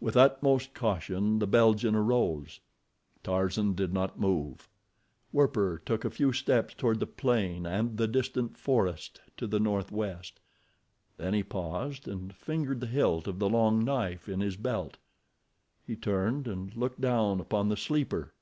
With utmost caution the Belgian arose. Tarzan did not move. Werper took a few steps toward the plain and the distant forest to the northwest, then he paused and fingered the hilt of the long knife in his belt. He turned and looked down upon the sleeper.